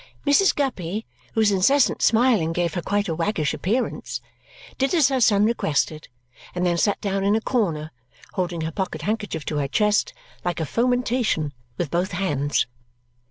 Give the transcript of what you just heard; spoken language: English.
Mrs. Guppy, whose incessant smiling gave her quite a waggish appearance, did as her son requested and then sat down in a corner, holding her pocket handkerchief to her chest, like a fomentation, with both hands.